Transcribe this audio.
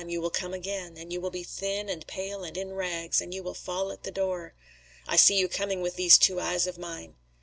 You will come again, and you will be thin and pale and in rags, and you will fall at the door. I see you coming with these two eyes of mine."